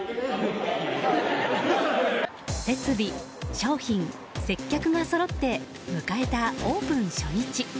設備・商品・接客がそろって迎えたオープン初日。